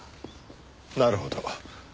なるほど。